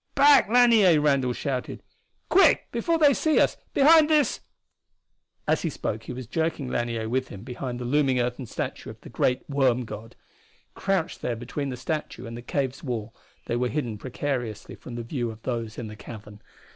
"Back, Lanier!" Randall shouted. "Quick, before they see us, behind this " As he spoke he was jerking Lanier with him behind the looming earthen statue of the great worm god. Crouched there between the statue and the cave's wall they were hidden precariously from the view of those in the cavern.